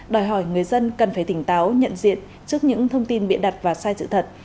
đòi hỏi người dân cần phải tỉnh táo nhận diện trước những thông tin bịa đặt và sai sự thật